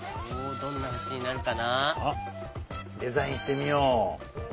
デザインしてみよう。